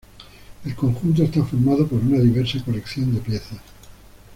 El conjunto está formado por una diversa colección de piezas.